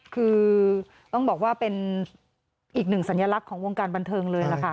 คือต้องบอกว่าเป็นอีกหนึ่งสัญลักษณ์ของวงการบันเทิงเลยล่ะค่ะ